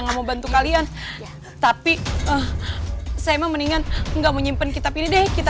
nggak mau bantu kalian tapi saya emang mendingan enggak menyimpan kitab ini deh kita